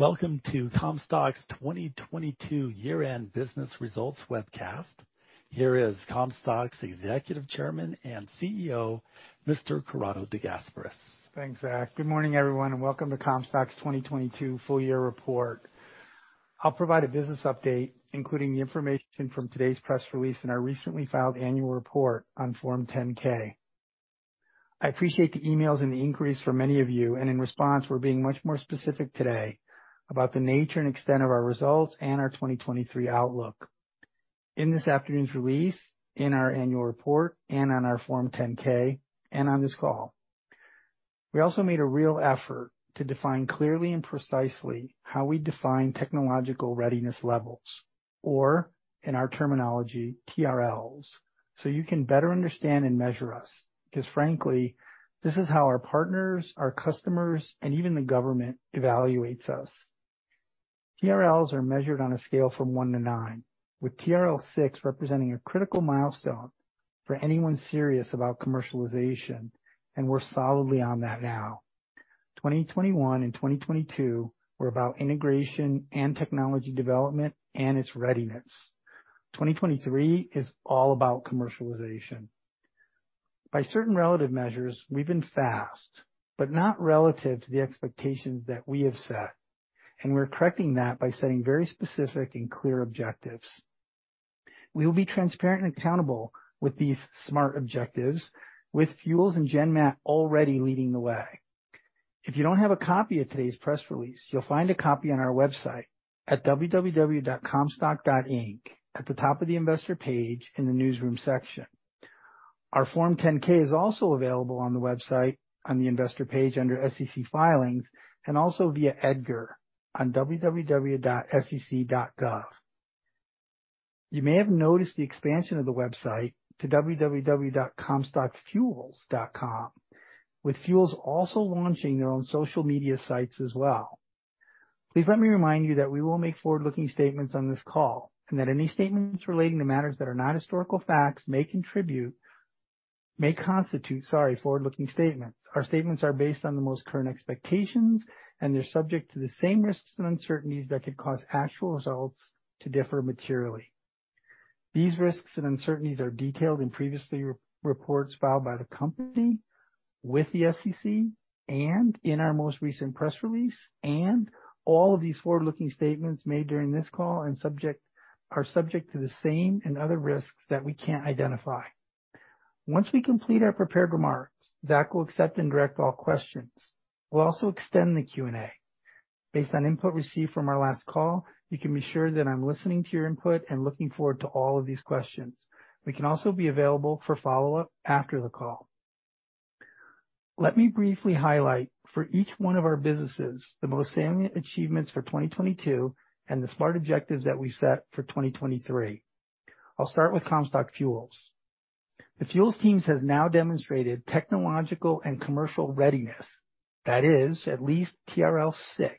Welcome to Comstock's 2022 year-end business results webcast. Here is Comstock's Executive Chairman and CEO, Mr. Corrado De Gasperis. Thanks, Zach. Good morning, everyone, and welcome to Comstock's 2022 full-year report. I'll provide a business update, including the information from today's press release and our recently filed annual report on Form 10-K. I appreciate the emails and the inquiries from many of you, and in response, we're being much more specific today about the nature and extent of our results and our 2023 outlook. In this afternoon's release, in our annual report, and on our Form 10-K, and on this call, we also made a real effort to define clearly and precisely how we define technological readiness levels, or in our terminology, TRLs, so you can better understand and measure us, because frankly, this is how our partners, our customers, and even the government evaluates us. TRLs are measured on a scale from one to nine; TRL 6 represents a critical milestone for anyone serious about commercialization, and we're solidly on that now. 2021 and 2022 were about integration and technology development, and its readiness. 2023 is all about commercialization. By certain relative measures, we've been fast, but not relative to the expectations that we have set, and we're correcting that by setting very specific and clear objectives. We will be transparent and accountable with these SMART objectives with Fuels and GenMat already leading the way. If you don't have a copy of today's press release, you'll find a copy on our website at www.comstock.inc at the top of the investor page in the Newsroom section. Our Form 10-K is also available on the website on the Investor page under SEC Filings, and also via EDGAR on www.sec.gov. You may have noticed the expansion of the website to www.comstockfuels.com, with Fuels also launching their own social media sites as well. Please let me remind you that we will make forward-looking statements on this call and that any statements relating to matters that are not historical facts may constitute forward-looking statements. Our statements are based on the most current expectations; they're subject to the same risks and uncertainties that could cause actual results to differ materially. These risks and uncertainties are detailed in previous reports filed by the company with the SEC and in our most recent press release. All of these forward-looking statements made during this call are subject to the same and other risks that we can't identify. Once we complete our prepared remarks, Zach will accept and direct all questions. We'll also extend the Q&A. Based on input received from our last call, you can be sure that I'm listening to your input and looking forward to all of these questions. We can also be available for follow-up after the call. Let me briefly highlight for each one of our businesses the most salient achievements for 2022 and the smart objectives that we set for 2023. I'll start with Comstock Fuels. The Fuels team has now demonstrated technological and commercial readiness, that is, at least TRL 6,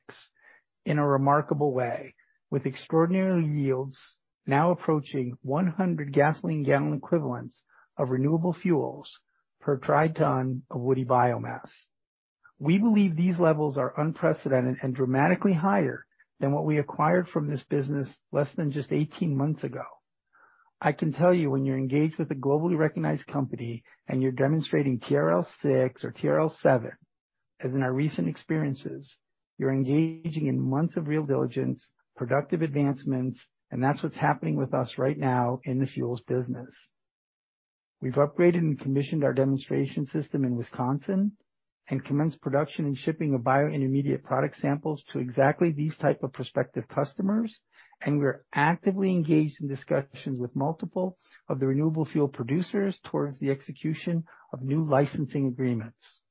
in a remarkable way, with extraordinary yields now approaching 100 gasoline gallon equivalents of renewable fuels per dry ton of woody biomass. We believe these levels are unprecedented and dramatically higher than what we acquired from this business less than just 18 months ago. I can tell you that when you're engaged with a globally recognized company, and you're demonstrating TRL 6 or TRL 7, as in our recent experiences, you're engaging in months of real diligence, productive advancements, and that's what's happening with us right now in the fuels business. We've upgraded and commissioned our demonstration system in Wisconsin and commenced production and shipping of bio-intermediate product samples to exactly this type of prospective customers. We're actively engaged in discussions with multiple of the renewable fuel producers towards the execution of new licensing agreements.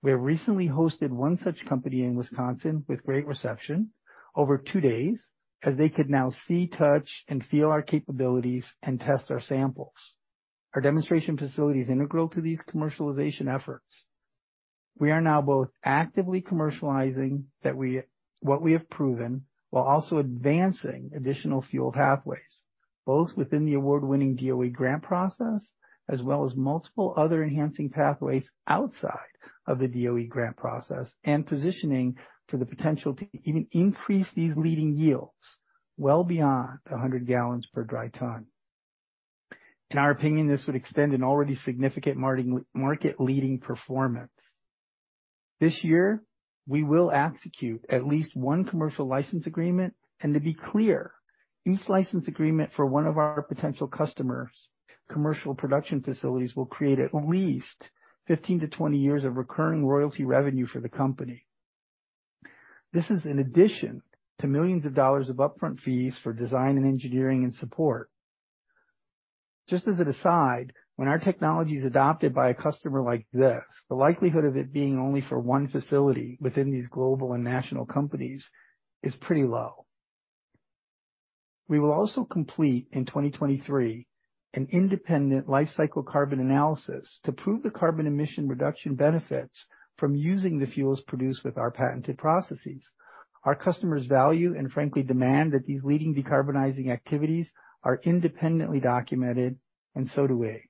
We have recently hosted one such company in Wisconsin with a great reception over two days, as they could now see, touch, and feel our capabilities and test our samples. Our demonstration facility is integral to these commercialization efforts. We are now both actively commercializing what we have proven, while also advancing additional fuel pathways, both within the award-winning DOE grant process as well as multiple other enhancing pathways outside of the DOE grant process, and positioning for the potential to even increase these leading yields well beyond 100 gallons per dry ton. In our opinion, this would extend an already significant market-leading performance. This year, we will execute at least one commercial license agreement. To be clear, each license agreement for one of our potential customers' commercial production facilities will create at least 15-20 years of recurring royalty revenue for the company. This is in addition to millions of dollars of upfront fees for design, and engineering, and support. Just as an aside, when our technology is adopted by a customer like this, the likelihood of it being only for one facility within these global and national companies is pretty low. We will also complete in 2023 an independent life cycle carbon analysis to prove the carbon emission reduction benefits from using the fuels produced with our patented processes. Our customers value and frankly demand that these leading decarbonizing activities are independently documented, and so do we.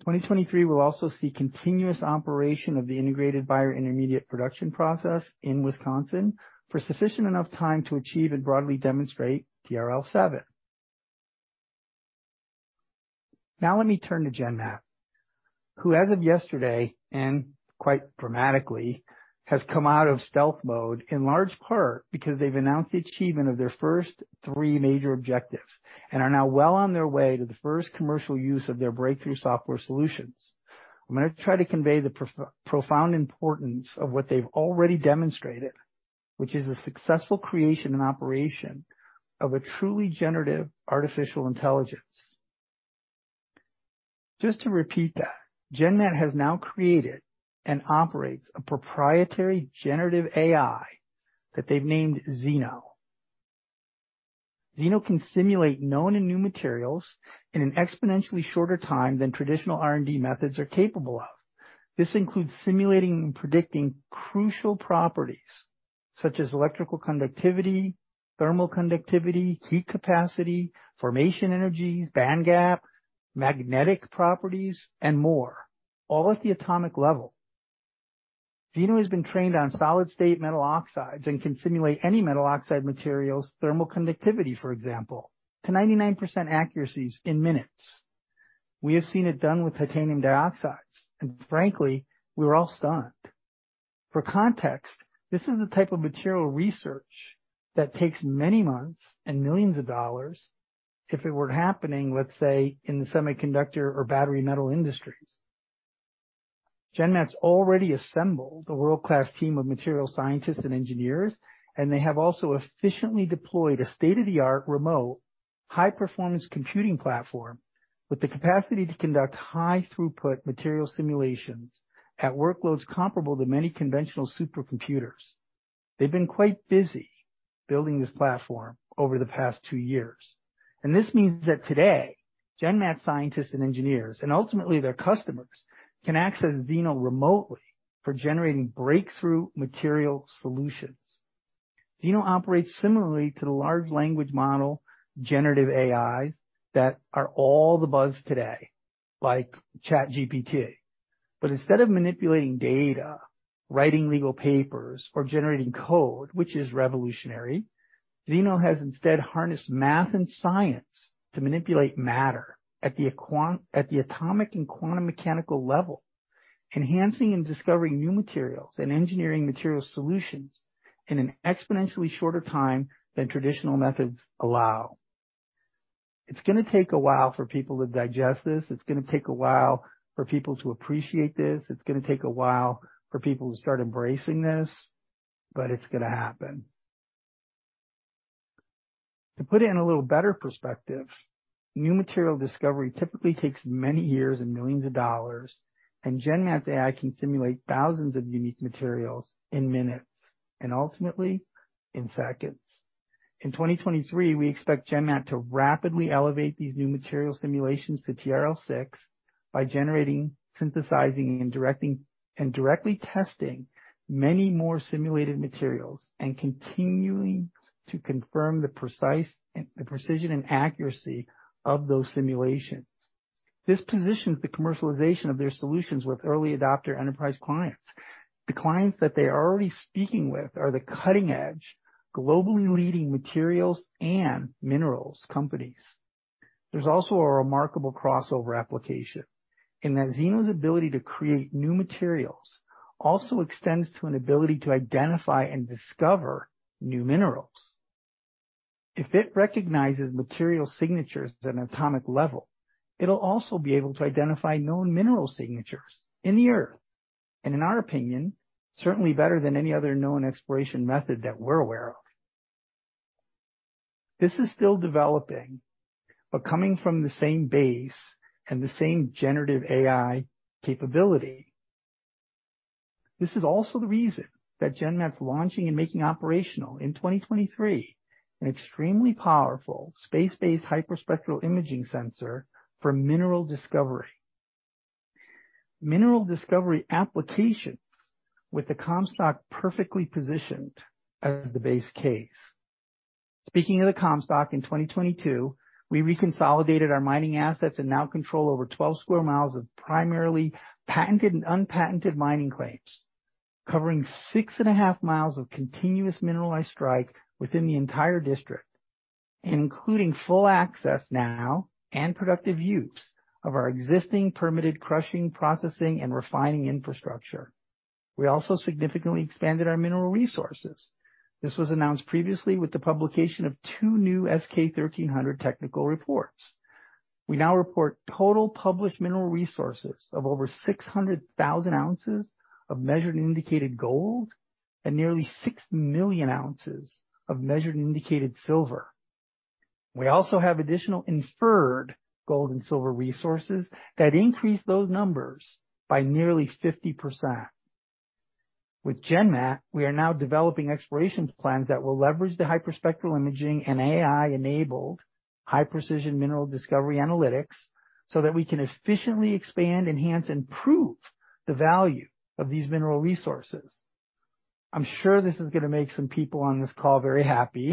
2023 will also see the continuous operation of the integrated bio-intermediate production process in Wisconsin for sufficient time to achieve and broadly demonstrate TRL 7. Let me turn to GenMat, who as of yesterday, and quite dramatically, has come out of stealth mode, in large part because they've announced the achievement of their first three major objectives and are now well on their way to the first commercial use of their breakthrough software solutions. I'm gonna try to convey the profound importance of what they've already demonstrated, which is the successful creation and operation of a truly generative artificial intelligence. Just to repeat that, GenMat has now created and operates a proprietary generative AI that they've named ZENO. ZENO can simulate known and new materials in an exponentially shorter time than traditional R&D methods are capable of. This includes simulating and predicting crucial properties such as electrical conductivity, thermal conductivity, heat capacity, formation energies, band gap, magnetic properties, and more, all at the atomic level. ZENO has been trained on solid-state metal oxides and can simulate any metal oxide material's thermal conductivity, for example, to 99% accuracies in minutes. We have seen it done with titanium dioxide. Frankly, we were all stunned. For context, this is the type of material research that takes many months and millions of dollars if it were happening, let's say, in the semiconductor or battery metal industries. GenMat's already assembled a world-class team of material scientists and engineers. They have also efficiently deployed a state-of-the-art remote high-performance computing platform with the capacity to conduct high throughput material simulations at workloads comparable to many conventional supercomputers. They've been quite busy building this platform over the past two years. This means that today, GenMat scientists and engineers, and ultimately their customers, can access ZENO remotely for generating breakthrough material solutions. ZENO operates similarly to the large language model generative AIs that are all the buzz today, like ChatGPT. Instead of manipulating data, writing legal papers, or generating code, which is revolutionary, ZENO has instead harnessed math and science to manipulate matter at the atomic and quantum mechanical level, enhancing and discovering new materials and engineering material solutions in an exponentially shorter time than traditional methods allow. It's gonna take a while for people to digest this. It's gonna take a while for people to appreciate this. It's gonna take a while for people to start embracing this, but it's gonna happen. To put it in a little better perspective, new material discovery typically takes many years and millions of dollars, and GenMat's AI can simulate thousands of unique materials in minutes, and ultimately, in seconds. In 2023, we expect GenMat to rapidly elevate these new material simulations to TRL 6 by generating, synthesizing, and directly testing many more simulated materials and continuing to confirm the precision and accuracy of those simulations. This positions the commercialization of their solutions with early adopter enterprise clients. The clients that they are already speaking with are the cutting-edge, globally leading materials and minerals companies. There's also a remarkable crossover application in that ZENO's ability to create new materials also extends to an ability to identify and discover new minerals. If it recognizes material signatures at an atomic level, it'll also be able to identify known mineral signatures in the Earth, and in our opinion, certainly better than any other known exploration method that we're aware of. This is still developing, but coming from the same base and the same generative AI capability. This is also the reason that GenMat is launching and making operational in 2023 an extremely powerful space-based hyperspectral imaging sensor for mineral discovery. Mineral discovery applications with the Comstock are perfectly positioned as the base case. Speaking of the Comstock, in 2022, we reconsolidated our mining assets and now control over 12 sq mi of primarily patented and unpatented mining claims, covering six and a half miles of continuous mineralized strike within the entire district, including full access now and productive use of our existing permitted crushing, processing, and refining infrastructure. We also significantly expanded our mineral resources. This was announced previously with the publication of two new S-K 1300 technical reports. We now report total published mineral resources of over 600,000 ounces of measured and indicated gold and nearly 6 million ounces of measured and indicated silver. We also have additional inferred gold and silver resources that increase those numbers by nearly 50%. With GenMat, we are now developing exploration plans that will leverage the hyperspectral imaging and AI-enabled high-precision mineral discovery analytics, we can efficiently expand, enhance, and prove the value of these mineral resources. I'm sure this is gonna make some people on this call very happy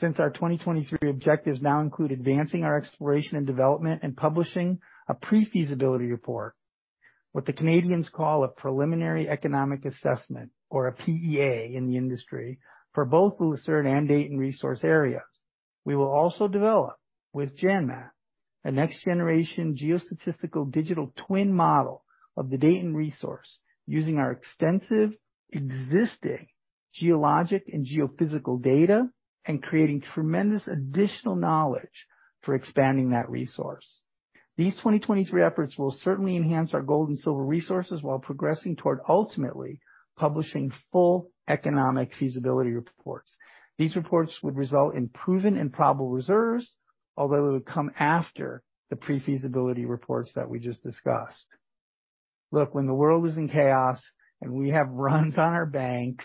since our 2023 objectives now include advancing our exploration and development and publishing a pre-feasibility report, what the Canadians call a Preliminary Economic Assessment, or a PEA in the industry, for both Lucerne and Dayton resource areas. We will also develop with GenMat a next-generation geostatistical digital twin model of the Dayton resource using our extensive existing geologic and geophysical data, and create tremendous additional knowledge for expanding that resource. These 2023 efforts will certainly enhance our gold and silver resources while progressing toward ultimately publishing full economic feasibility reports. These reports would result in proven and probable reserves, although it would come after the pre-feasibility reports that we just discussed. Look, when the world is in chaos and we have runs on our banks,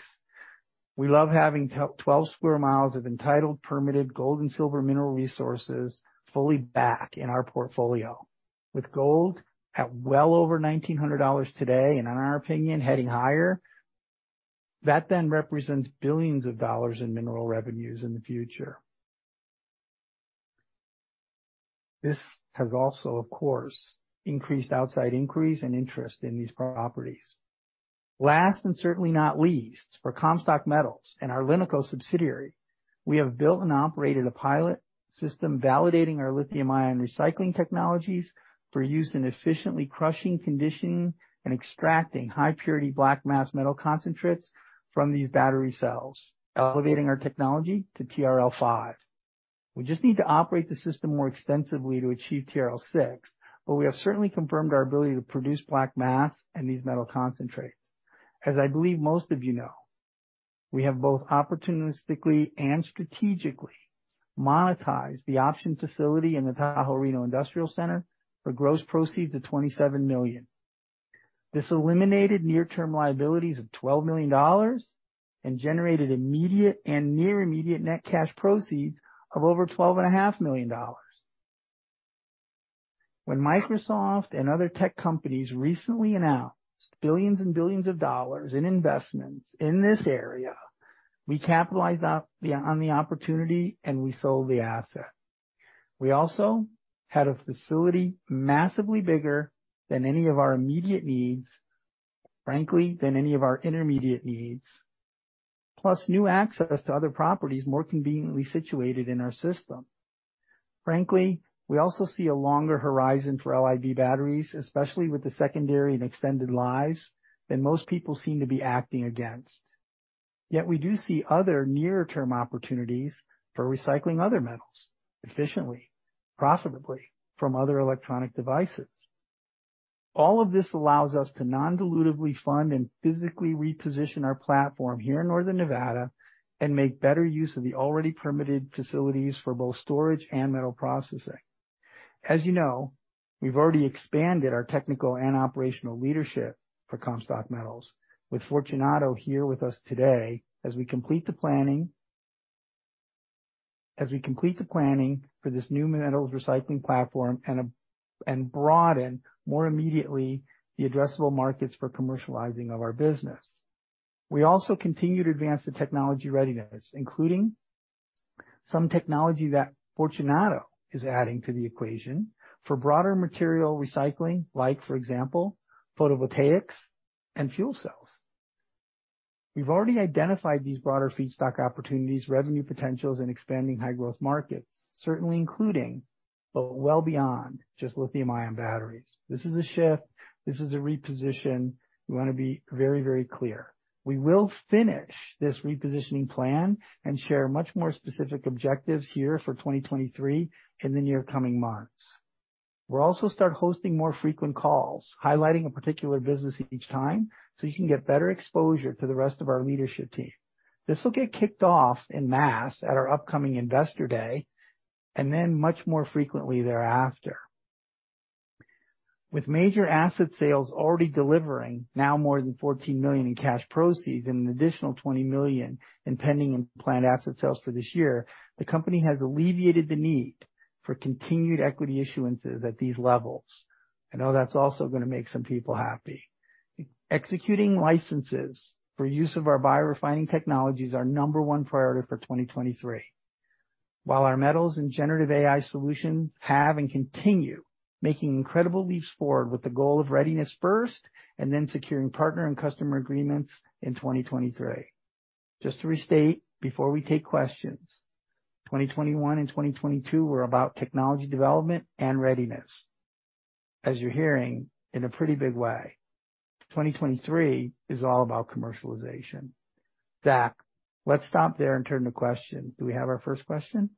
we love having 12 sq mi of entitled, permitted gold and silver mineral resources fully back in our portfolio. With gold at well over $1,900 today, and in our opinion, heading higher, that then represents billions of dollars in mineral revenues in the future. This has also, of course, increased outside increase and interest in these properties. Last, and certainly not least, for Comstock Metals and our LiNiCo subsidiary, we have built and operated a pilot system validating our lithium-ion recycling technologies for use in efficiently crushing, conditioning, and extracting high-purity black mass metal concentrates from these battery cells, elevating our technology to TRL 5. We just need to operate the system more extensively to achieve TRL 6, but we have certainly confirmed our ability to produce black mass and these metal concentrates. As I believe most of you know, we have both opportunistically and strategically monetized the option facility in the Tahoe Reno Industrial Center for gross proceeds of $27 million. This eliminated near-term liabilities of $12 million and generated immediate and near-immediate net cash proceeds of over twelve and a half million dollars. When Microsoft and other tech companies recently announced billions and billions of dollars in investments in this area, we capitalized on the opportunity, and we sold the asset. We also had a facility massively bigger than any of our immediate needs, frankly, than any of our intermediate needs, plus new access to other properties more conveniently situated in our system. Frankly, we also see a longer horizon for LIB batteries, especially with the secondary and extended lives, than most people seem to be acting against. Yet we do see other near-term opportunities for recycling other metals efficiently and profitably from other electronic devices. All of this allows us to non-dilutively fund and physically reposition our platform here in northern Nevada and make better use of the already permitted facilities for both storage and metal processing. As you know, we've already expanded our technical and operational leadership for Comstock Metals with Fortunato here with us today as we complete the planning for this new metals recycling platform and broaden more immediately the addresable markets for commercializing of our business. We also continue to advance the technology readiness, including some technology that Fortunato is adding to the equation for broader material recycling, like, for example, photovoltaics and fuel cells. We've already identified these broader feedstock opportunities, revenue potentials, and expanding high-growth markets, certainly including, but well beyond just lithium-ion batteries. This is a shift. This is a reposition. We wanna be very, very clear. We will finish this repositioning plan and share much more specific objectives here for 2023 in the coming months. We'll also start hosting more frequent calls, highlighting a particular business each time, so you can get better exposure to the rest of our leadership team. This will get kicked off en masse at our upcoming Investor Day, and then much more frequently thereafter. With major asset sales already delivering now more than $14 million in cash proceeds and an additional $20 million in pending and planned asset sales for this year, the company has alleviated the need for continued equity issuances at these levels. I know that's also gonna make some people happy. Executing licenses for use of our biorefining technology is our number one priority for 2023. Our metals and generative AI solutions have and continue making incredible leaps forward with the goal of readiness first and then securing partner and customer agreements in 2023. Just to restate, before we take questions, 2021 and 2022 were about technology development and readiness. As you're hearing, in a pretty big way, 2023 is all about commercialization. Zach, let's stop there and turn to questions. Do we have our first question?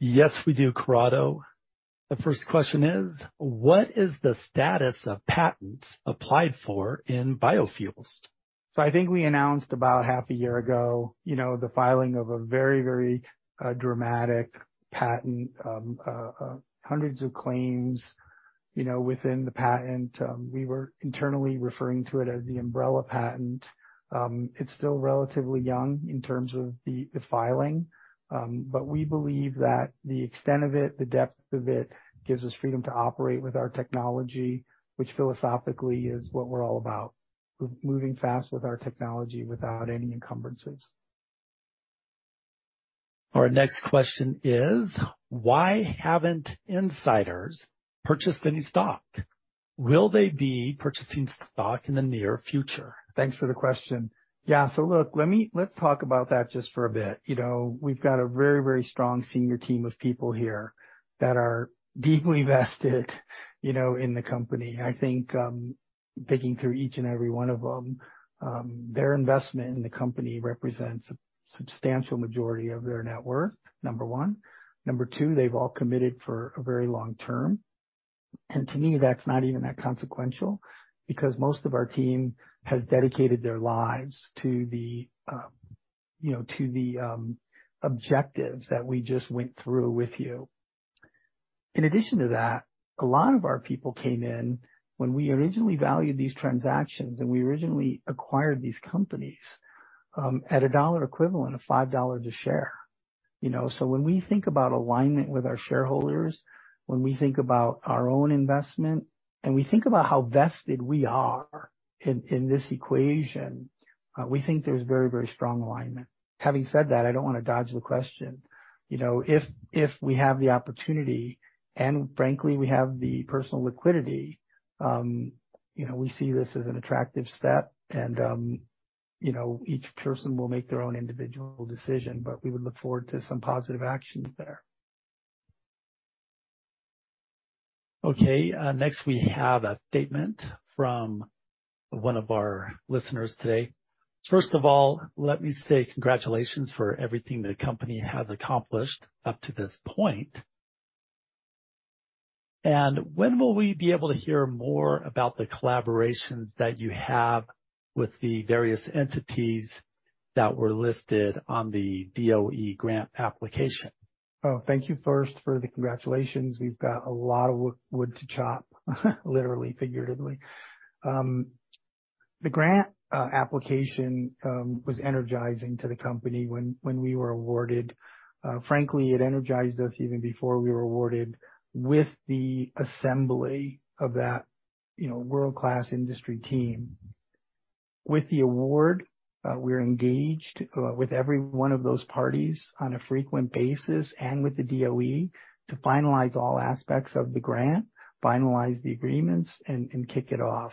Yes, we do, Corrado. The first question is, what is the status of patents applied for in biofuels? I think we announced about half a year ago, you know, the filing of a very, very dramatic patent, hundreds of claims, you know, within the patent. We were internally referring to it as the umbrella patent. It's still relatively young in terms of the filing. We believe that the extent of it, the depth of it, gives us freedom to operate with our technology, which philosophically is what we're all about, moving fast with our technology without any encumbrances. Our next question is, why haven't insiders purchased any stock? Will they be purchasing stock in the near future? Thanks for the question. Yeah. Look, let's talk about that just for a bit. You know, we've got a very, very strong senior team of people here that are deeply vested you know, in the company. I think, digging through each and every one of them, their investment in the company represents a substantial majority of their net worth, number one. Number two, they've all committed for a very long term. To me, that's not even that consequential because most of our team has dedicated their lives to the, you know, to the objectives that we just went through with you. In addition to that, a lot of our people came in when we originally valued these transactions, and we originally acquired these companies, at a dollar equivalent of $5 a share, you know. When we think about alignment with our shareholders, when we think about our own investment, and we think about how vested we are in this equation, we think there's very, very strong alignment. Having said that, I don't wanna dodge the question. You know, if we have the opportunity, and frankly, we have the personal liquidity, you know, we see this as an attractive step, you know, each person will make their own individual decision, but we would look forward to some positive actions there. Okay. Next, we have a statement from one of our listeners today. First of all, let me say congratulations on everything the company has accomplished up to this point. When will we be able to hear more about the collaborations that you have with the various entities that were listed on the DOE grant application? Thank you first for the congratulations. We've got a lot of wood to chop, literally, figuratively. The grant application was energizing to the company when we were awarded. Frankly, it energized us even before we were awarded with the assembly of that, you know, world-class industry team. With the award, we're engaged with every one of those parties on a frequent basis and with the DOE to finalize all aspects of the grant, finalize the agreements, and kick it off.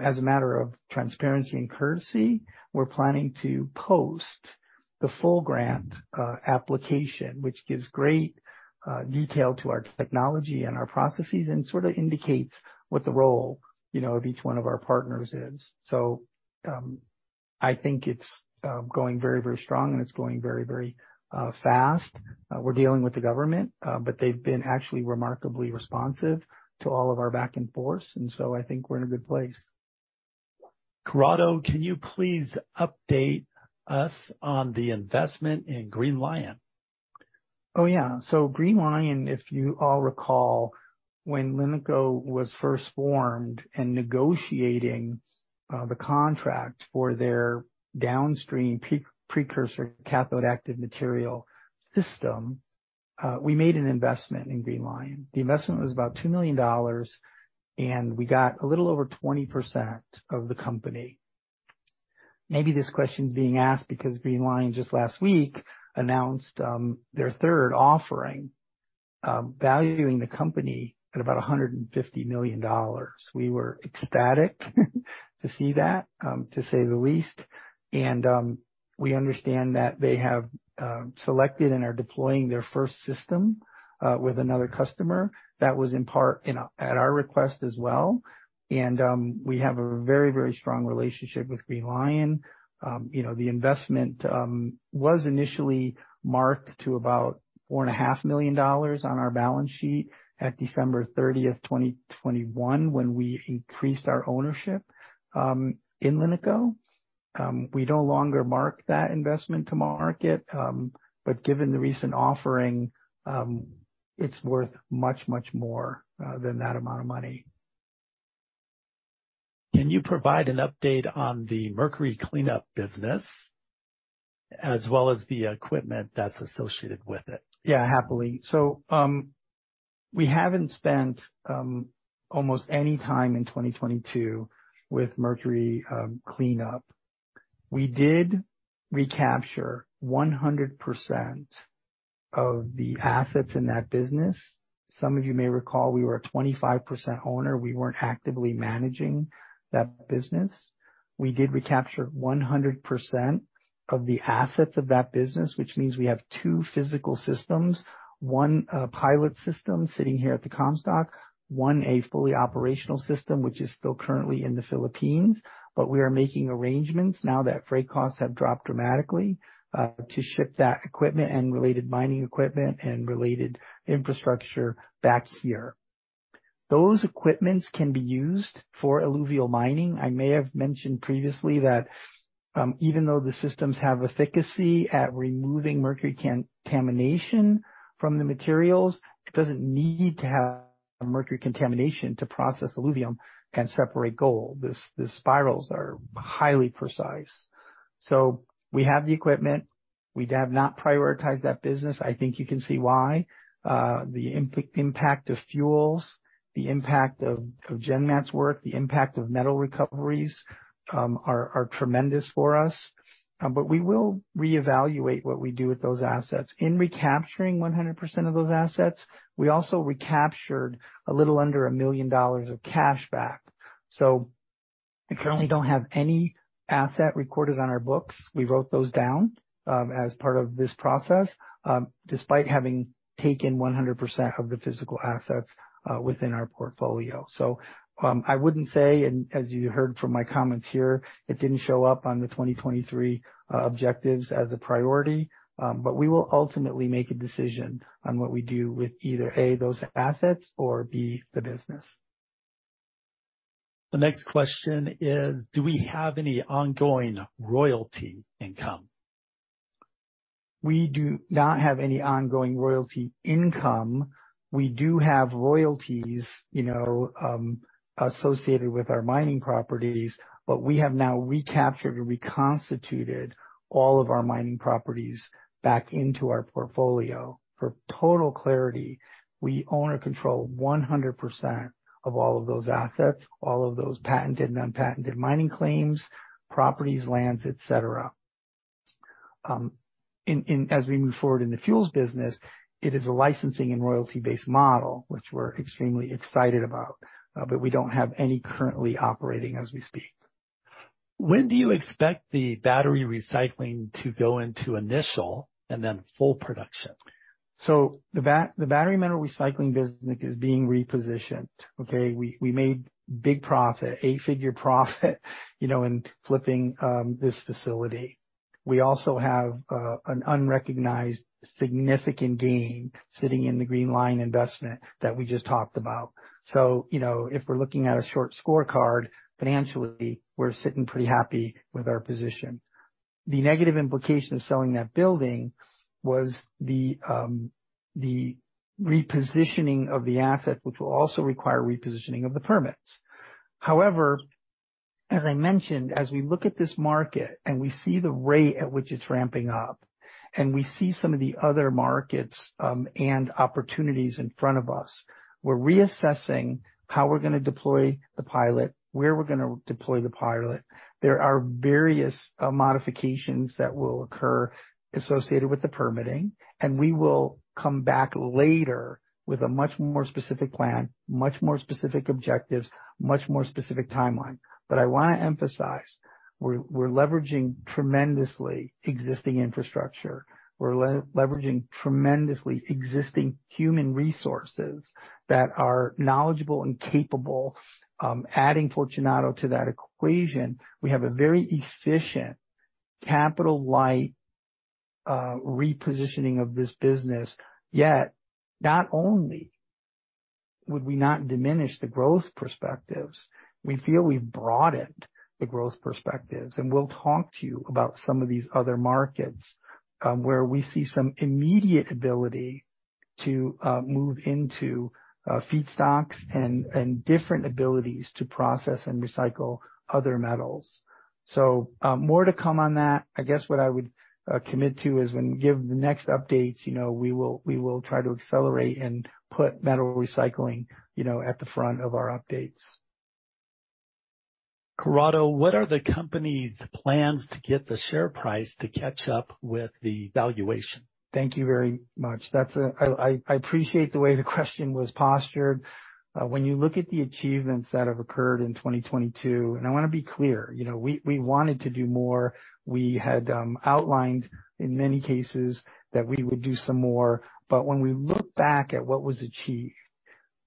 As a matter of transparency and courtesy, we're planning to post the full grant application, which gives great detail to our technology and our processes, actually been and sorta indicates what the role, you know, of each one of our partners is. I think it's going very, very strong and it's going very, very fast. We're dealing with the government. They've been actually remarkably responsive to all of our back and forth. I think we're in a good place. Corrado, can you please update us on the investment in Green Li-ion? Oh, yeah. Green Li-ion, if you all recall, when LiNiCo was first formed and negotiating the contract for their downstream pre-precursor cathode active material system, we made an investment in Green Li-ion. The investment was about $2 million, and we got a little over 20% of the company. Maybe this question is being asked because Green Li-ion just last week announced its third offering, valuing the company at about $150 million. We were ecstatic to see that, to say the least. We understand that they have selected and are deploying their first system with another customer. That was in part, you know, at our request as well. We have a very, very strong relationship with Green Li-ion. You know, the investment was initially marked to about $4.5 million on our balance sheet at December 30th, 2021, when we increased our ownership in LiNiCo. We no longer mark that investment to market, but given the recent offering, it's worth much, much more than that amount of money. Can you provide an update on the mercury cleanup business as well as the equipment that's associated with it? Yeah, happily. We haven't spent almost any time in 2022 with mercury cleanup. We did recapture 100% of the assets in that business. Some of you may recall we were a 25% owner. We weren't actively managing that business. We did recapture 100% of the assets of that business, which means we have two physical systems, one pilot system sitting here at the Comstock, one a fully operational system, which is still currently in the Philippines. We are making arrangements now that freight costs have dropped dramatically to ship that equipment and related mining equipment and related infrastructure back here. Those equipment can be used for alluvial mining. I may have mentioned previously that, even though the systems have efficacy at removing mercury contamination from the materials, it doesn't need to have mercury contamination to process alluvium and separate gold. The spirals are highly precise. We have the equipment. We have not prioritized that business. I think you can see why. The impact of fuels, the impact of GenMat's work, the impact of metal recoveries, are tremendous for us. We will reevaluate what we do with those assets. In recapturing 100% of those assets, we also recaptured a little under $1 million of cash back. We currently don't have any asset recorded on our books. We wrote those down as part of this process, despite having taken 100% of the physical assets within our portfolio. I wouldn't say, and as you heard from my comments here, it didn't show up on the 2023 objectives as a priority. We will ultimately make a decision on what we do with either A, those assets or B, the business. The next question is, do we have any ongoing royalty income? We do not have any ongoing royalty income. We do have royalties, you know, associated with our mining properties, but we have now recaptured and reconstituted all of our mining properties back into our portfolio. For total clarity, we own or control 100% of all of those assets, all of those patented and unpatented mining claims, properties, lands, et cetera. As we move forward in the fuels business, it is a licensing and royalty-based model, which we're extremely excited about, but we don't have any currently operating as we speak. When do you expect the battery recycling to go into initial and then full production? The battery metal recycling business is being repositioned. Okay? We made big profit, eight-figure profit you know, in flipping this facility. We also have an unrecognized significant gain sitting in the Green Li-ion investment that we just talked about. You know, if we're looking at a short scorecard financially, we're sitting pretty happy with our position. The negative implication of selling that building was the repositioning of the asset, which will also require repositioning of the permits. However, as I mentioned, as we look at this market and we see the rate at which it's ramping up, and we see some of the other markets and opportunities in front of us, we're reassessing how we're gonna deploy the pilot, where we're gonna deploy the pilot. There are various modifications that will occur associated with the permitting, we will come back later with a much more specific plan, much more specific objectives, much more specific timeline. I wanna emphasize, we're leveraging tremendously existing infrastructure. We're leveraging tremendously existing human resources that are knowledgeable and capable. Adding Fortunato to that equation, we have a very efficient capital-like repositioning of this business. Yet not only would we not diminish the growth perspectives, we feel we've broadened the growth perspectives. We'll talk to you about some of these other markets where we see some immediate ability to move into feedstocks and different abilities to process and recycle other metals. More to come on that. I guess what I would, commit to is when we give the next updates, you know, we will, we will try to accelerate and put metal recycling, you know, at the front of our updates. Corrado, what are the company's plans to get the share price to catch up with the valuation? Thank you very much. That's I appreciate the way the question was postured. When you look at the achievements that have occurred in 2022, I wanna be clear, you know, we wanted to do more. We had outlined in many cases that we would do some more. When we look back at what was achieved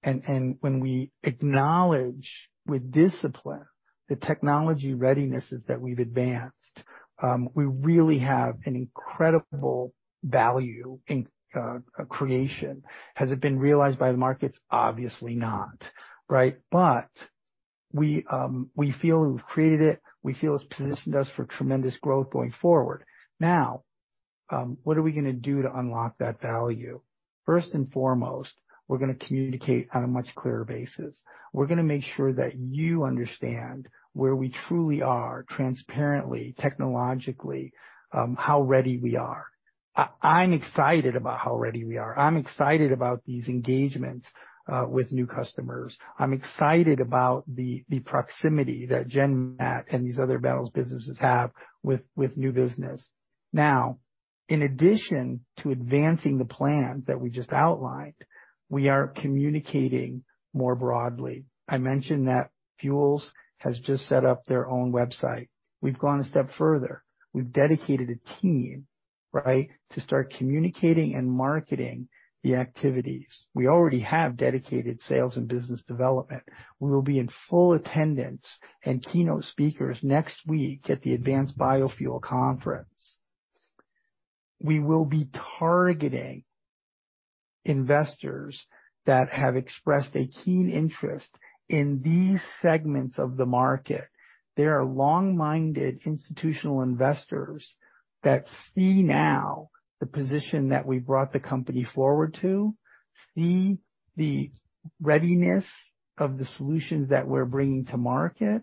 and when we acknowledge with discipline the technology readinesses that we've advanced, we really have an incredible value in creation. Has it been realized by the markets? Obviously not, right? We feel we've created it. We feel it's positioned us for tremendous growth going forward. What are we gonna do to unlock that value? First and foremost, we're gonna communicate on a much clearer basis. We're gonna make sure that you understand where we truly are transparently, technologically, how ready we are. I'm excited about how ready we are. I'm excited about these engagements with new customers. I'm excited about the proximity that GenMat and these other metals businesses have with new business. In addition to advancing the plans that we just outlined, we are communicating more broadly. I mentioned that Fuels has just set up its own website. We've gone a step further. We've dedicated a team, right, to start communicating and marketing the activities. We already have dedicated sales and business development. We will be in full attendance and keynote speakers next week at the Advanced Biofuels Conference. We will be targeting investors that have expressed a keen interest in these segments of the market. There are long-minded institutional investors that see now the position that we brought the company forward to, see the readiness of the solutions that we're bringing to market.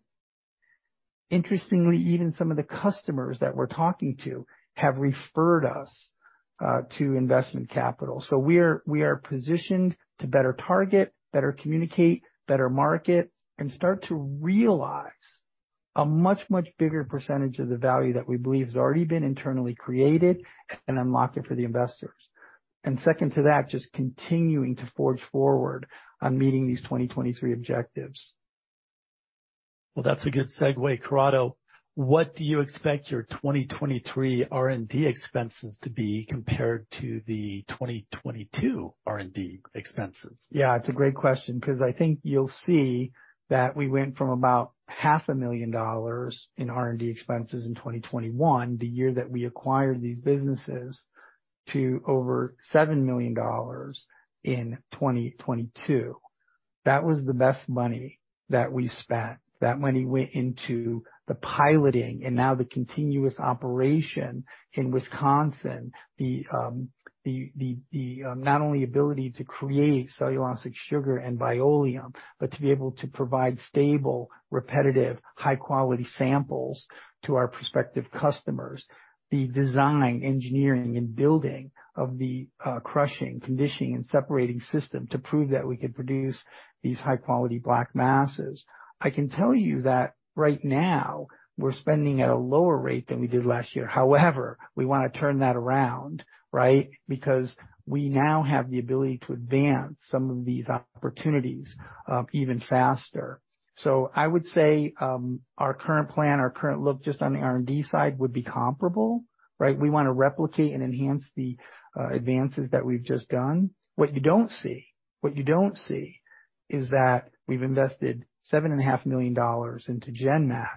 Interestingly, even some of the customers that we're talking to have referred us to investment capital. We are positioned to better target, better communicate, better market, and start to realize a much, much bigger percentage of the value that we believe has already been internally created and unlocked it for the investors. Second to that, just continuing to forge forward on meeting these 2023 objectives. Well, that's a good segue. Corrado, what do you expect your 2023 R&D expenses to be compared to the 2022 R&D expenses? It's a great question because I think you'll see that we went from about half a million dollars in R&D expenses in 2021, the year that we acquired these businesses, to over $7 million in 2022. That was the best money that we spent. That money went into the piloting and now the continuous operation in Wisconsin. The ability not only to create Cellulosic Sugar and Bioleum, but to be able to provide stable, repetitive, high-quality samples to our prospective customers. The design, engineering, and building of the crushing, conditioning, and separating system to prove that we could produce these high-quality black masses. I can tell you that right now we're spending at a lower rate than we did last year. However, we want to turn that around, right? We now have the ability to advance some of these opportunities even faster. I would say, our current plan, our current look just on the R&D side would be comparable, right? We want to replicate and enhance the advances that we've just done. What you don't see is that we've invested $7.5 million into GenMat,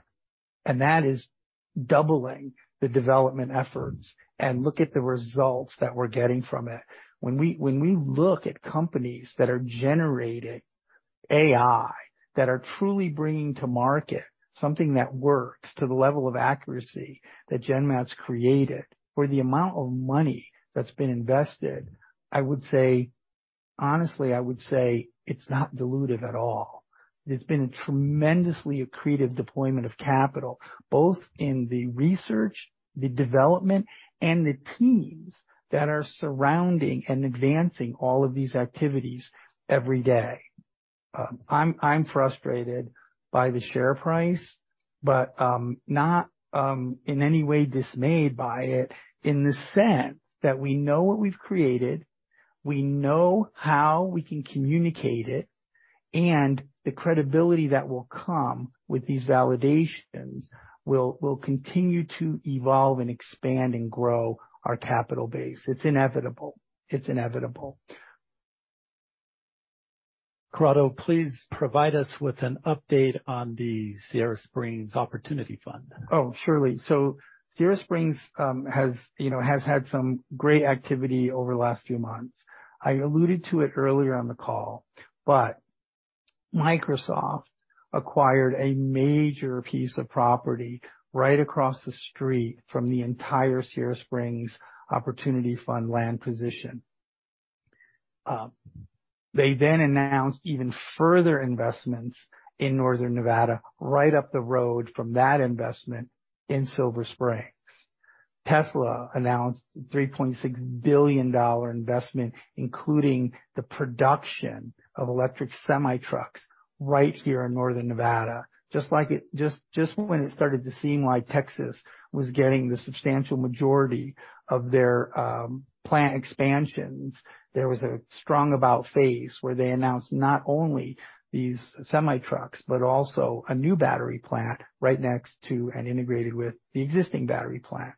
and that is doubling the development efforts. Look at the results that we're getting from it. When we look at companies that are generating AI, that are truly bringing to market something that works to the level of accuracy that GenMat's created for the amount of money that's been invested, I would say, honestly, I would say it's not dilutive at all. It's been a tremendously accretive deployment of capital, both in the research, the development, and the teams that are surrounding and advancing all of these activities every day. I'm frustrated by the share price, but not in any way dismayed by it in the sense that we know what we've created, we know how we can communicate it, and the credibility that will come with these validations will continue to evolve and expand and grow our capital base. It's inevitable. It's inevitable. Corrado, please provide us with an update on the Sierra Springs Opportunity Fund. Oh, surely. Sierra Springs, you know, has had some great activity over the last few months. I alluded to it earlier on the call, but Microsoft acquired a major piece of property right across the street from the entire Sierra Springs Opportunity Fund land position. They announced even further investments in northern Nevada, right up the road from that investment in Silver Springs. Tesla announced a $3.6 billion investment, including the production of electric semi trucks right here in northern Nevada. Just when it started to seem like Texas was getting the substantial majority of their plant expansions, there was a strong about phase where they announced not only these semi trucks, but also a new battery plant right next to and integrated with the existing battery plant.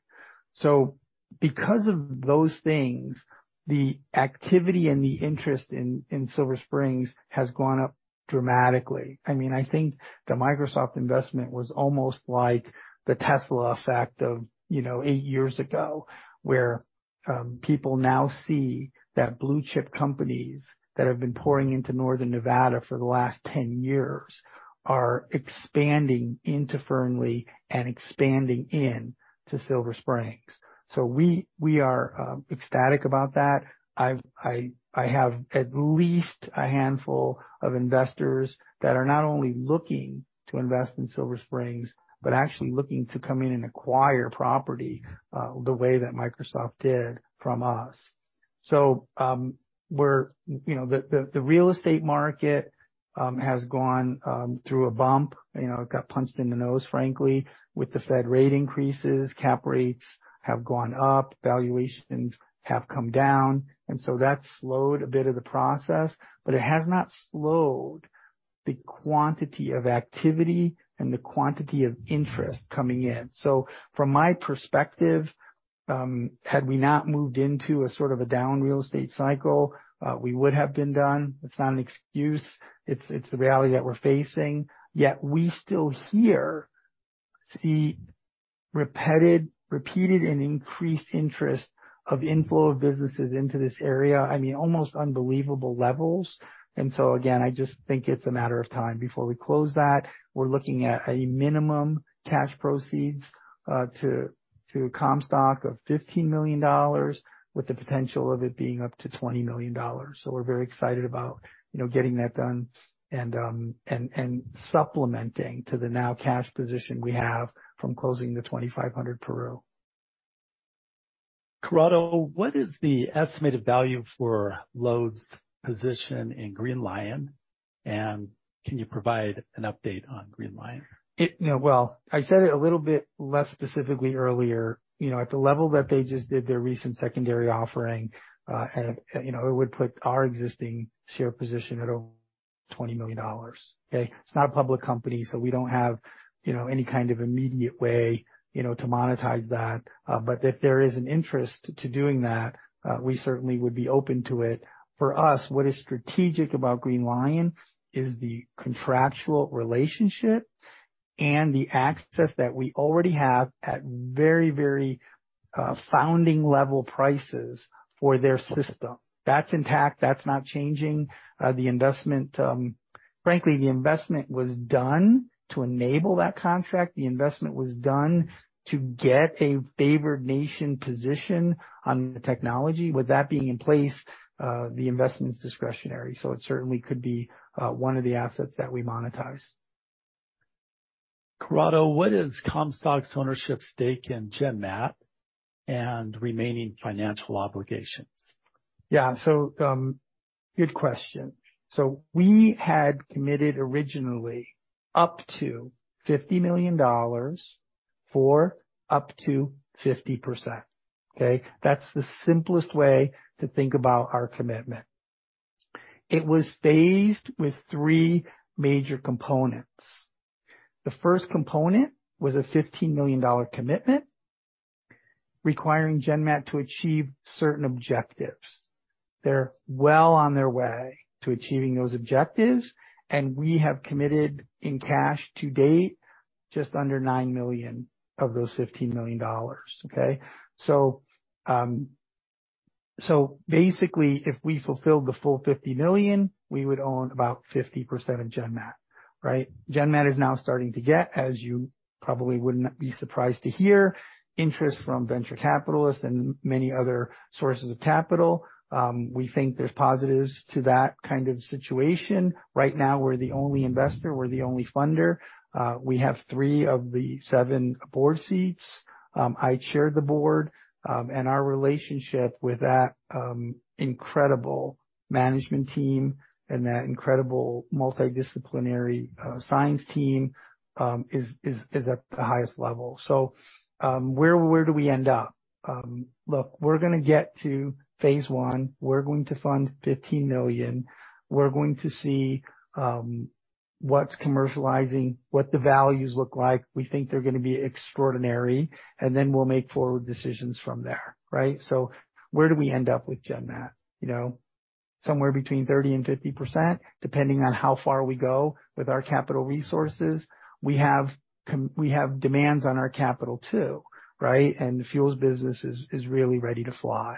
Because of those things, the activity and the interest in Silver Springs has gone up dramatically. I mean, I think the Microsoft investment was almost like the Tesla effect of, you know, eight years ago, where people now see that blue chip companies that have been pouring into northern Nevada for the last 10 years are expanding into Fernley and expanding into Silver Springs. We are ecstatic about that. I have at least a handful of investors that are not only looking to invest in Silver Springs, but are actually looking to come in and acquire property, the way that Microsoft did from us. We're, you know, the real estate market has gone through a bump. You know, it got punched in the nose, frankly, with the Fed rate increases. Cap rates have gone up. Valuations have come down. That slowed a bit of the process. It has not slowed the quantity of activity and the quantity of interest coming in. From my perspective, had we not moved into a sort of down real estate cycle, we would have been done. It's not an excuse. It's the reality that we're facing. Yet we still hear, see repeated and increased interest of inflow of businesses into this area. I mean, almost unbelievable levels. Again, I just think it's a matter of time before we close that. We're looking at a minimum cash proceeds to Comstock of $15 million, with the potential of it being up to $20 million. We're very excited about, you know, getting that done and supplementing to the now cash position we have from closing the 2500 Peru. Corrado, what is the estimated value for LODE's position in Green Li-ion, and can you provide an update on Green Li-ion? Well, I said it a little bit less specifically earlier. You know, at the level that they just did their recent secondary offering, you know, it would put our existing share position at over $20 million, okay? It's not a public company. We don't have, you know, any kind of immediate way, you know, to monetize that. If there is an interest to doing that, we certainly would be open to it. For us, what is strategic about Green Li-ion is the contractual relationship and the access that we already have at very, very, founding level prices for their system. That's intact. That's not changing. The investment, frankly, was done to enable that contract. The investment was done to get a favored nation position on the technology. With that being in place, the investment is discretionary. It certainly could be one of the assets that we monetize. Corrado, what is Comstock's ownership stake in GenMat and remaining financial obligations? Yeah. Good question. We had committed originally up to $50 million for up to 50%. Okay? That's the simplest way to think about our commitment. It was phased with three major components. The first component was a $15 million commitment requiring GenMat to achieve certain objectives. They're well on their way to achieving those objectives, and we have committed in cash to date just under $9 million of those $15 million. Okay? Basically, if we fulfilled the full $50 million, we would own about 50% of GenMat, right? GenMat is now starting to get, as you probably wouldn't be surprised to hear, interest from venture capitalists and many other sources of capital. We think there are positives to that kind of situation. Right now, we're the only investor, we're the only funder. We have three of the seven board seats. I chair the board, and our relationship with that incredible management team and that incredible multidisciplinary science team is at the highest level. Where do we end up? Look, we're gonna get to phase one. We're going to fund $15 million. We're going to see what's commercializing, what the values look like. We think they're gonna be extraordinary, then we'll make forward decisions from there. Right? Where do we end up with GenMat? You know, somewhere between 30% and 50%, depending on how far we go with our capital resources. We have demands on our capital, too, right? The fuels business is really ready to fly.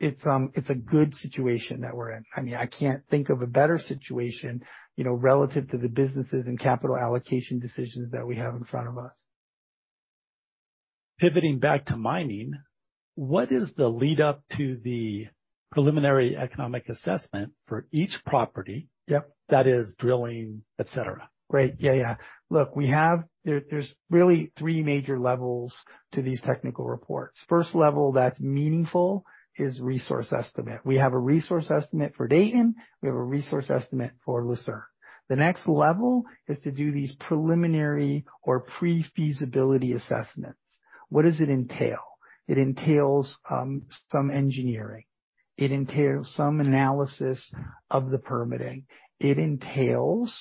It's a good situation that we're in. I mean, I can't think of a better situation, you know, relative to the businesses and capital allocation decisions that we have in front of us. Pivoting back to mining, what is the lead up to the preliminary economic assessment for each property? Yep. That is drilling, et cetera. Great. Yeah, yeah. Look, we have... There's really three major levels to these technical reports. First level that's meaningful is resource estimate. We have a resource estimate for Dayton. We have a resource estimate for Lucerne. The next level is to do these preliminary or pre-feasibility assessments. What does it entail? It entails some engineering. It entails some analysis of the permitting. It entails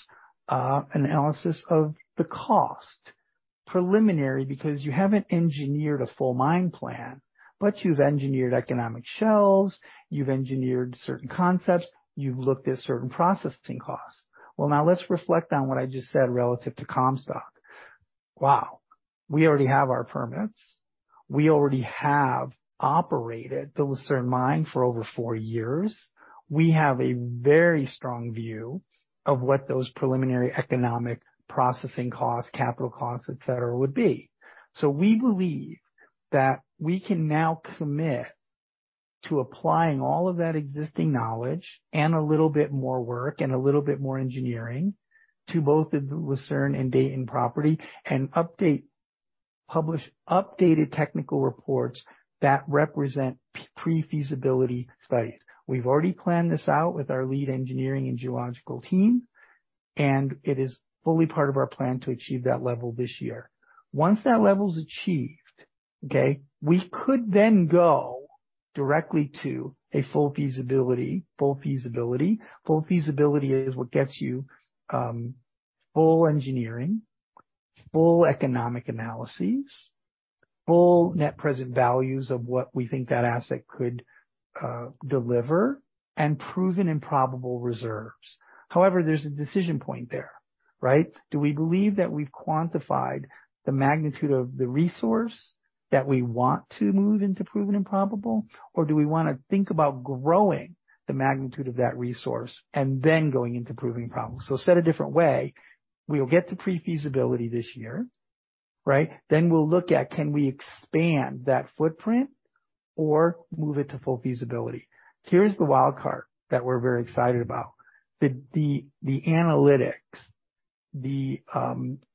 analysis of the cost. Preliminary, because you haven't engineered a full mine plan, but you've engineered economic shells, you've engineered certain concepts, you've looked at certain processing costs. Now let's reflect on what I just said relative to Comstock. Wow. We already have our permits. We already have operated the Lucerne mine for over four years. We have a very strong view of what those preliminary economic processing costs, capital costs, et cetera, would be. We believe that we can now commit to applying all of that existing knowledge and a little bit more work and a little bit more engineering to both the Lucerne and Dayton property and update, publish updated technical reports that represent pre-feasibility studies. We've already planned this out with our lead engineering and geological team, and it is fully part of our plan to achieve that level this year. Once that level's achieved, we could then go directly to a full feasibility. Full feasibility is what gets you full engineering, full economic analyses, full net present values of what we think that asset could deliver and proven and probable reserves. There's a decision point there, right? Do we believe that we've quantified the magnitude of the resource that we want to move into proven and probable, or do we wanna think about growing the magnitude of that resource and then going into proven and probable? Said a different way, we'll get to pre-feasibility this year, right? Then we'll look at, can we expand that footprint or move it to full feasibility? Here's the wild card that we're very excited about. The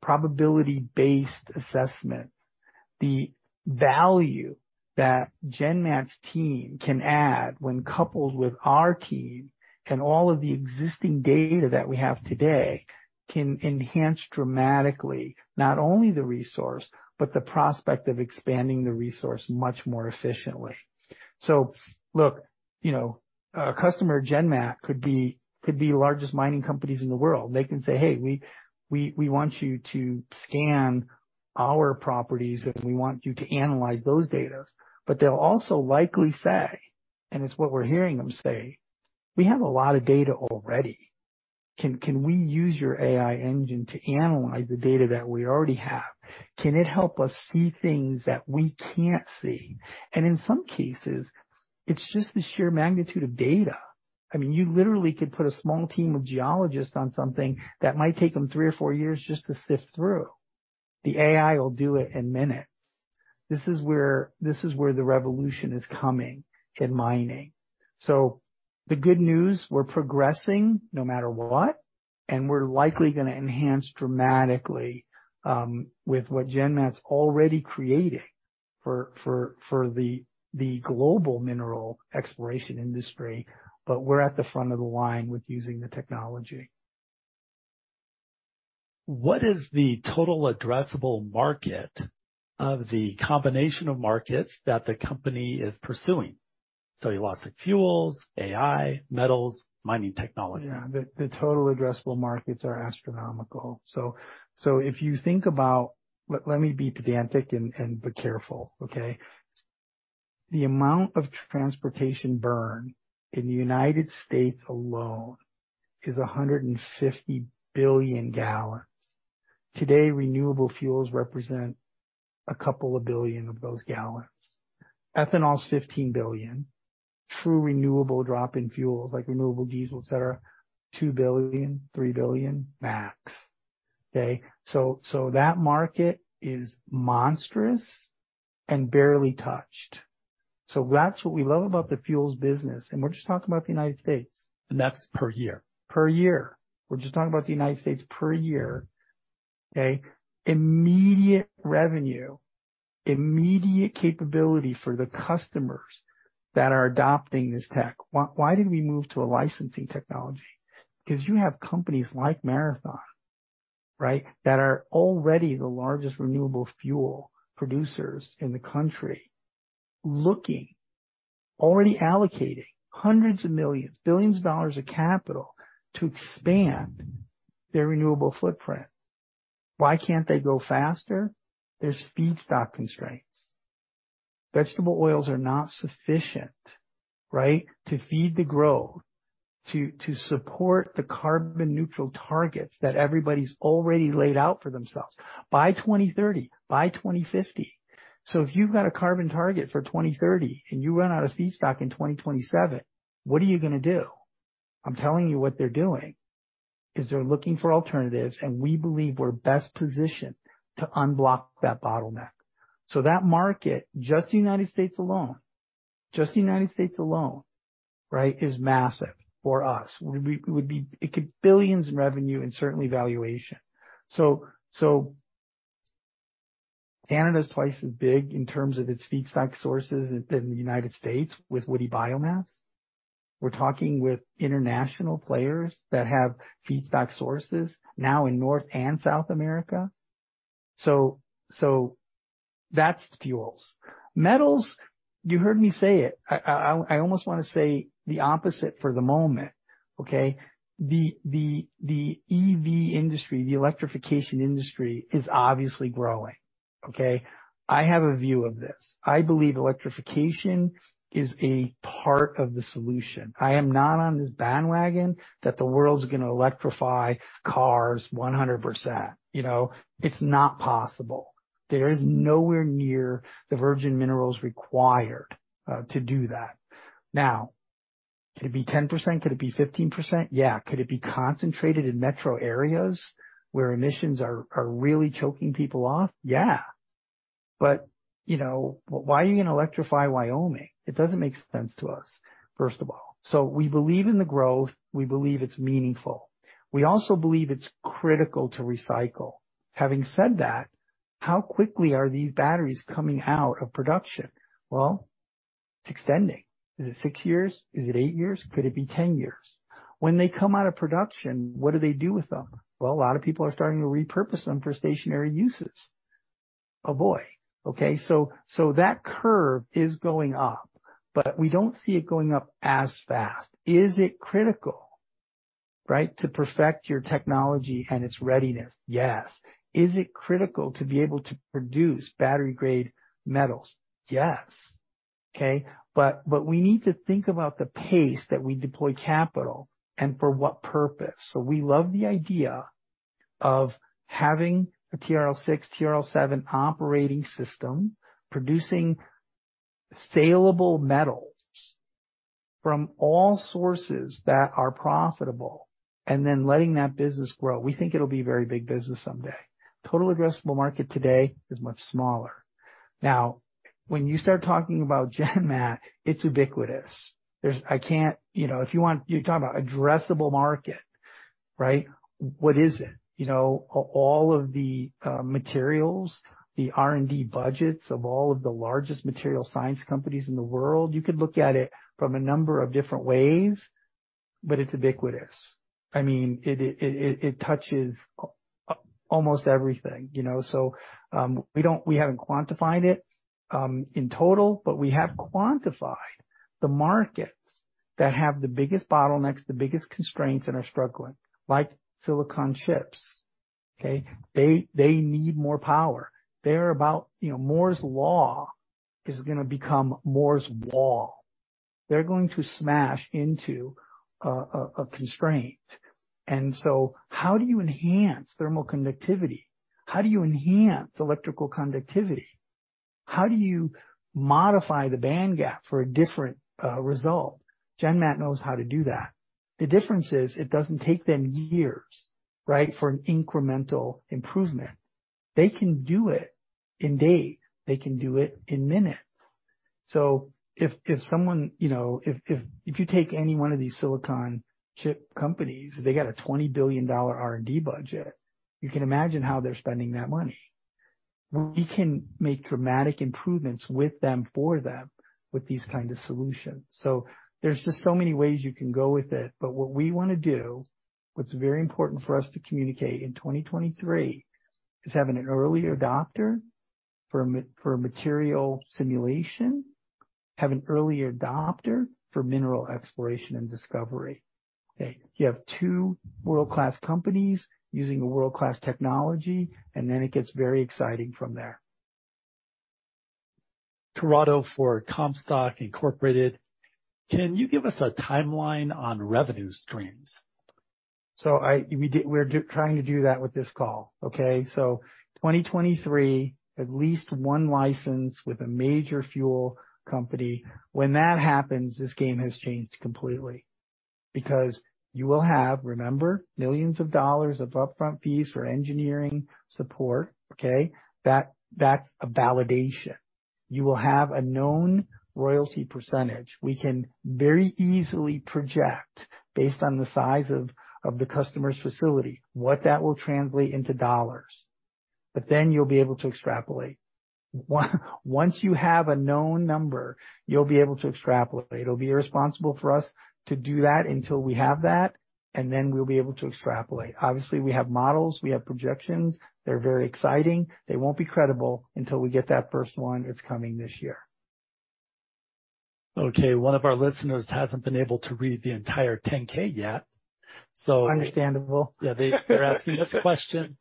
probability-based assessment, the value that GenMat's team can add when coupled with our team and all of the existing data that we have today, can enhance dramatically not only the resource but the prospect of expanding the resource much more efficiently. Look, you know, a customer of GenMat could be the largest mining companies in the world. They can say, "Hey, we want you to scan our properties. We want you to analyze those data." They'll also likely say, and it's what we're hearing them say, "We have a lot of data already. Can we use your AI engine to analyze the data that we already have? Can it help us see things that we can't see?" In some cases, it's just the sheer magnitude of data. I mean, you literally could put a small team of geologists on something that might take them three or four years just to sift through. The AI will do it in minutes. This is where the revolution is coming in mining. The good news, we're progressing no matter what, and we're likely gonna enhance dramatically with what GenMat's already creating for the global mineral exploration industry, but we're at the front of the line with using the technology. What is the total addressable market of the combination of markets that the company is pursuing? You lost the Fuels, AI, Metals, and Mining Technology. Yeah. The total addressable markets are astronomical. If you think about it, let me be pedantic and but careful, okay? The amount of transportation burn in the United States alone is 150 billion gallons. Today, renewable fuels represent 2 billion of those gallons. Ethanol is 15 billion. True renewable drop-in fuels, like renewable diesel, et cetera, 2 billion, 3 billion max. Okay? That market is monstrous and barely touched. That's what we love about the fuels business, and we're just talking about the United States. That's per year? Per year. We're just talking about the United States per year. Okay? Immediate revenue, immediate capability for the customers that are adopting this tech. Why did we move to a licensing technology? You have companies like Marathon, right? That are already the largest renewable fuel producers in the country, looking, already allocating hundreds of millions, billions of dollars of capital to expand their renewable footprint. Why can't they go faster? There's feedstock constraints. Vegetable oils are not sufficient, right, to feed the growth, to support the carbon-neutral targets that everybody's already laid out for themselves by 2030, by 2050. If you've got a carbon target for 2030 and you run out of feedstock in 2027, what are you gonna do? I'm telling you what they're doing, is they're looking for alternatives, and we believe we're best positioned to unblock that bottleneck. That market, just the United States alone, just the United States alone, right, is massive for us. It could billions in revenue and certainly valuation. Canada is twice as big in terms of its feedstock sources as the United States, with woody biomass. We're talking with international players that have feedstock sources now in North and South America. That's Fuels. Metals, you heard me say it. I almost wanna say the opposite for the moment, okay? The EV industry, the electrification industry, is obviously growing, okay? I have a view of this. I believe electrification is a part of the solution. I am not on this bandwagon that the world's gonna electrify cars 100%. You know? It's not possible. There is nowhere near the virgin minerals required to do that. Could it be 10%? Could it be 15%? Yeah. Could it be concentrated in metro areas where emissions are really choking people off? Yeah. You know, why are you gonna electrify Wyoming? It doesn't make sense to us, first of all. We believe in the growth, we believe it's meaningful. We also believe it's critical to recycle. Having said that, how quickly are these batteries coming out of production? Well, it's extending. Is it six years? Is it eight years? Could it be 10 years? When they come out of production, what do they do with them? Well, a lot of people are starting to repurpose them for stationary uses. Oh, boy. Okay? so that curve is going up, but we don't see it going up as fast. Is it critical, right, to perfect your technology and its readiness? Yes. Is it critical to be able to produce battery-grade metals? Yes. Okay? We need to think about the pace that we deploy capital and for what purpose. We love the idea of having a TRL 6, TRL 7 operating system producing salable metals from all sources that are profitable, and then letting that business grow. We think it'll be a very big business someday. The total addressable market today is much smaller. When you start talking about GenMat, it's ubiquitous. You know, you're talking about the addressable market, right? What is it? You know, all of the materials, the R&D budgets of all of the largest material science companies in the world, you could look at it from a number of different ways, but it's ubiquitous. I mean, it touches almost everything, you know? We haven't quantified it in total, but we have quantified the markets that have the biggest bottlenecks, the biggest constraints, and are struggling, like silicon chips. Okay? They need more power. They're about, you know, Moore's Law is gonna become Moore's Wall. They're going to smash into a constraint. How do you enhance thermal conductivity? How do you enhance electrical conductivity? How do you modify the band gap for a different result? GenMat knows how to do that. The difference is it doesn't take them years, right, for an incremental improvement. They can do it in days. They can do it in minutes. If someone, you know, if you take any one of these silicon chip companies, they got a $20 billion R&D budget. You can imagine how they're spending that money. We can make dramatic improvements with them, for them, with these kind of solutions. There's just so many ways you can go with it. What we wanna do, what's very important for us to communicate in 2023, is have an early adopter for material simulation, have an early adopter for mineral exploration and discovery. Okay? You have two world-class companies using a world-class technology, and then it gets very exciting from there. Corrado, for Comstock Inc. Can you give us a timeline on revenue streams? We're trying to do that with this call. Okay, 2023, at least one license with a major fuel company. When that happens, this game has changed completely because you will have, remember, millions of dollars of upfront fees for engineering support. Okay. That's a validation. You will have a known royalty percentage. We can very easily project, based on the size of the customer's facility, what that will translate into dollars. Then you'll be able to extrapolate. Once you have a known number, you'll be able to extrapolate. It'll be irresponsible for us to do that until we have that, and then we'll be able to extrapolate. Obviously, we have models, we have projections. They're very excited. They won't be credible until we get that first one. It's coming this year. Okay, one of our listeners hasn't been able to read the entire Form 10-K yet. Understandable. Yeah, they're asking this question.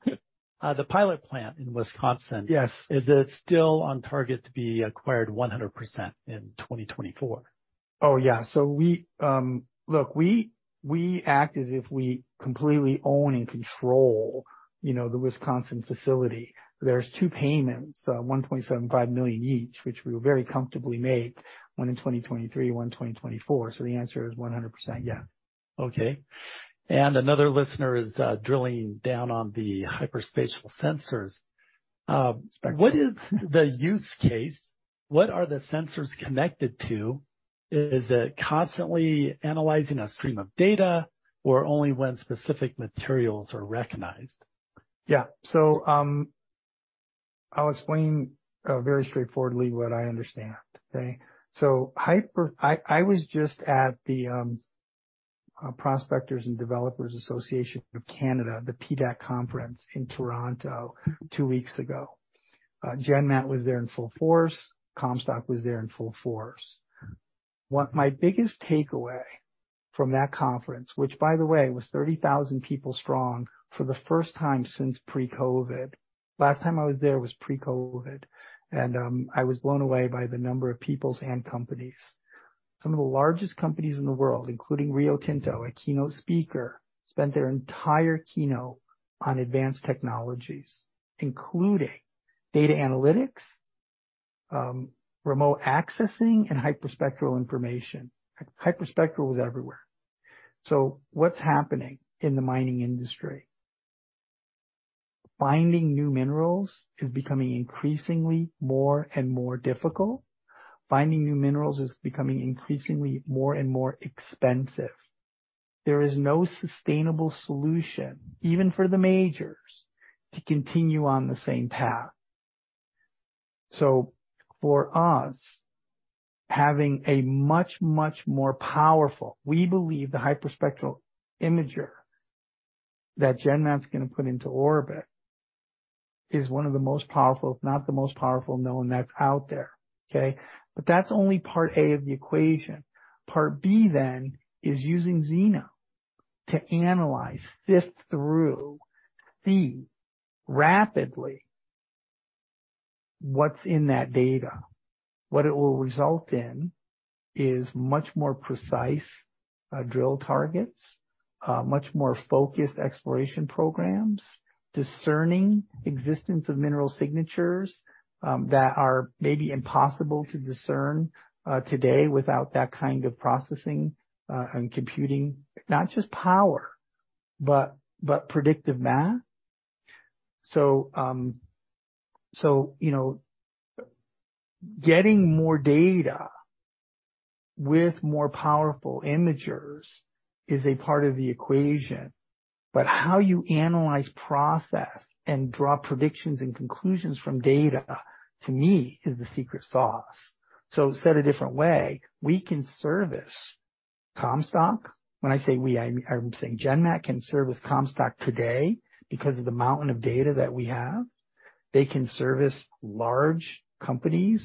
The pilot plant in Wisconsin- Yes. Is it still on target to be acquired 100% in 2024? Oh, yeah. Look, we act as if we completely own and control, you know, the Wisconsin facility. There are two payments, $1.75 million each, which we very comfortably made, one in 2023, one in 2024. The answer is 100% yeah. Okay. Another listener is drilling down on the hyperspectral sensors. What is the use case? What are the sensors connected to? Is it constantly analyzing a stream of data or only when specific materials are recognized? Yeah. I'll explain very straightforwardly what I understand. Okay? I was just at the Prospectors & Developers Association of Canada, the PDAC conference in Toronto two weeks ago. GenMat was there in full force. Comstock was there in full force. My biggest takeaway from that conference, which by the way, was 30,000 people strong for the first time since pre-COVID. Last time I was there was pre-COVID. I was blown away by the number of people and companies. Some of the largest companies in the world, including Rio Tinto, a keynote speaker, spent their entire keynote on advanced technologies, including data analytics, remote accessing and hyperspectral information. Hyperspectral was everywhere. What's happening in the mining industry? Finding new minerals is becoming increasingly more and more difficult. Finding new minerals is becoming increasingly more and more expensive. There is no sustainable solution, even for the majors, to continue on the same path. For us, having a much, much more powerful, we believe the hyperspectral imager that GenMat's gonna put into orbit is one of the most powerful, if not the most powerful known, that's out there. Okay? That's only part A of the equation. Part B is using ZENO to analyze, sift through, see rapidly what's in that data. What it will result in is much more precise, drill targets, much more focused exploration programs, discerning existence of mineral signatures, that are maybe impossible to discern today without that kind of processing and computing. Not just power. But predictive math. You know, getting more data with more powerful imagers is a part of the equation, but how you analyze, process, and draw predictions and conclusions from data, to me, is the secret sauce. Said a different way, we can service Comstock. When I say we, I'm saying GenMat can service Comstock today because of the mountain of data that we have. They can service large companies.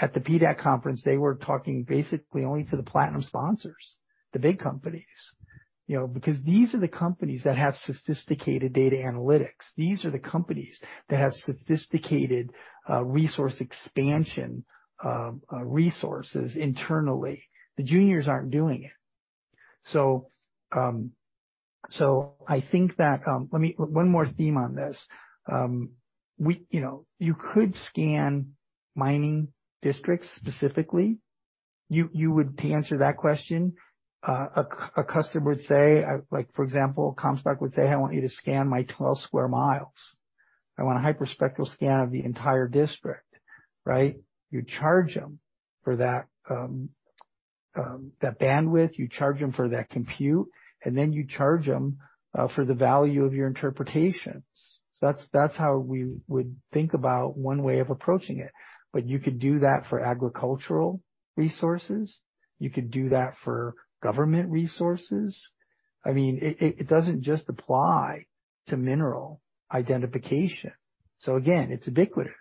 At the PDAC conference, they were talking basically only to the platinum sponsors, the big companies. You know, because these are the companies that have sophisticated data analytics. These are the companies that have sophisticated, resource expansion, resources internally. The juniors aren't doing it. I think that. Let me. One more theme on this. We, you know, you could scan mining districts specifically. You would, to answer that question, a customer would say, like for example, Comstock would say, "I want you to scan my 12 sq mi. I want a hyperspectral scan of the entire district." Right? You charge them for that bandwidth. You charge them for that compute, then you charge them for the value of your interpretations. That's how we would think about one way of approaching it. You could do that for agricultural resources. You could do that for government resources. I mean, it doesn't just apply to mineral identification. Again, it's ubiquitous.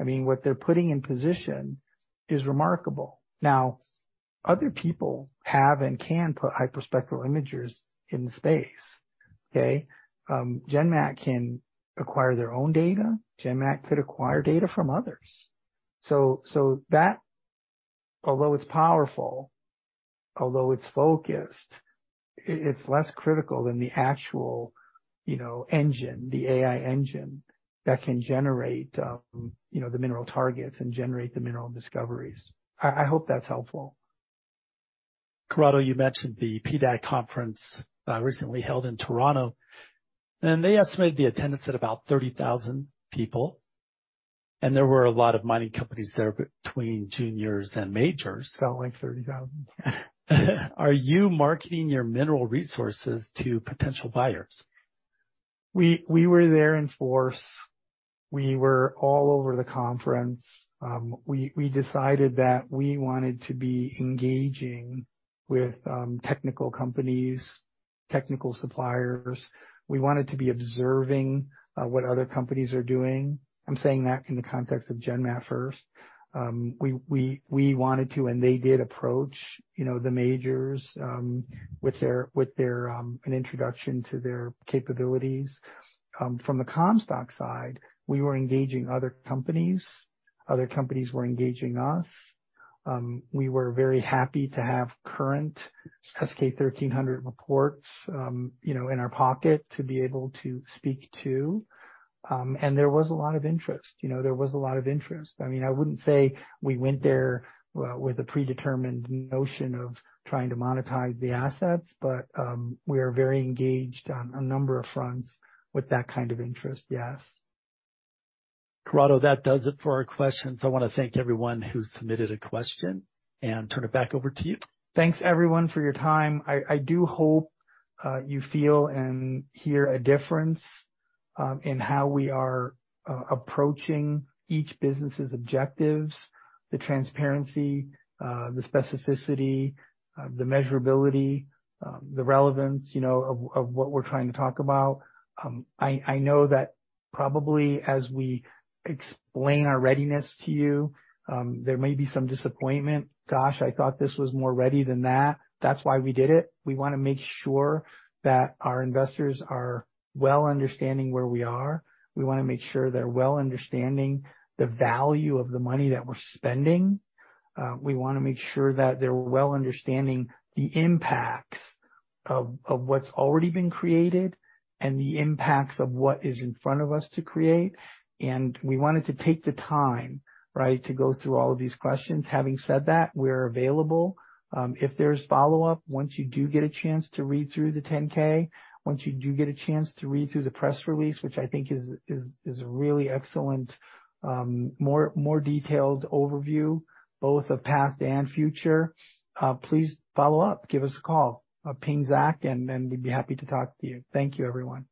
I mean, what they're putting in position is remarkable. Now, other people have and can put hyperspectral imagers in the space. Okay? GenMat can acquire their own data. GenMat could acquire data from others. That, although it's powerful, although it's focused, it's less critical than the actual, you know, engine, the AI engine that can generate, you know, the mineral targets and generate the mineral discoveries. I hope that's helpful. Corrado, you mentioned the PDAC conference, recently held in Toronto, and they estimated the attendance at about 30,000 people, and there were a lot of mining companies there between juniors and majors. Sound like $30,000. Are you marketing your mineral resources to potential buyers? We were there in force. We were all over the conference. We decided that we wanted to be engaging with technical companies and technical suppliers. We wanted to be observe what other companies are doing. I'm saying that in the context of GenMat first. We wanted to, and they did approach, you know, the majors, with their, with their an introduction to their capabilities. From the Comstock side, we were engaging other companies. Other companies were engaging us. We were very happy to have the current S-K 1300 reports, you know, in our pocket to be able to speak to. There was a lot of interest. You know, there was a lot of interest. I mean, I wouldn't say we went there with a predetermined notion of trying to monetize the assets, but we are very engaged on a number of fronts with that kind of interest, yes. Corrado, that does it for our questions. I wanna thank everyone who submitted a question and turn it back over to you. Thanks, everyone, for your time. I do hope you feel and hear a difference in how we are approaching each business's objectives, the transparency, the specificity, the measurability, the relevance, you know, of what we're trying to talk about. I know that, probably as we explain our readiness to you, there may be some disappointment. Gosh, I thought this was more ready than that. That's why we did it. We wanna make sure that our investors are well understanding where we are. We wanna make sure they're well understanding the value of the money that we're spending. We wanna make sure that they're well understanding the impacts of what's already been created and the impacts of what is in front of us to create. We wanted to take the time, right, to go through all of these questions. Having said that, we're available. If there's follow-up, once you do get a chance to read through the Form 10-K, once you do get a chance to read through the press release, which I think is a really excellent, more detailed overview, both of past and future, please follow up. Give us a call or ping Zach, and we'd be happy to talk to you. Thank you, everyone.